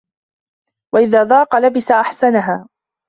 وَإِذَا ضَاقَ لَبِسَ أَحْسَنَهَا